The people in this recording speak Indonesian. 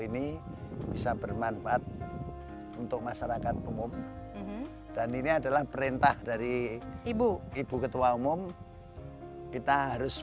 ini bisa bermanfaat untuk masyarakat umum dan ini adalah perintah dari ibu ibu ketua umum kita harus